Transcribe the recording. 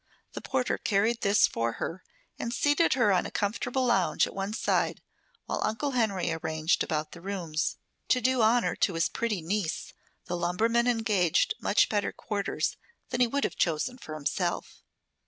The porter carried this for her and seated her on a comfortable lounge at one side while Uncle Henry arranged about the rooms. To do honor to his pretty niece the lumberman engaged much better quarters than he would have chosen for himself.